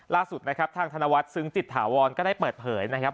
ล่าสุดนะครับทางธนวัฒนซึ้งจิตถาวรก็ได้เปิดเผยนะครับ